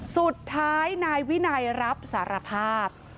สุดท้ายนายวินัยรับสารภาพ